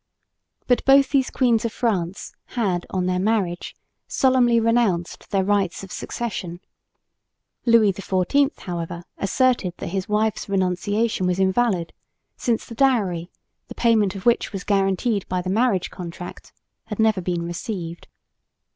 But both these queens of France had on their marriage solemnly renounced their rights of succession. Louis XIV, however, asserted that his wife's renunciation was invalid, since the dowry, the payment of which was guaranteed by the marriage contract, had never been received.